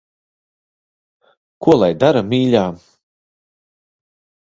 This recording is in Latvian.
Ko lai dara, mīļā.